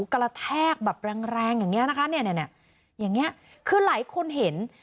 กระแทกแบบแรงอย่างนี้นะคะคือหลายคนเห็น